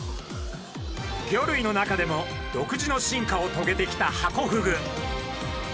魚類の中でも独自の進化をとげてきたハコフグ。